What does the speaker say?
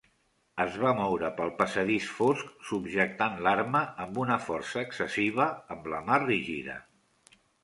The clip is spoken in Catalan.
Es va moure pel passadís fosc, subjectant l'arma amb una força excessiva amb la mà rígida.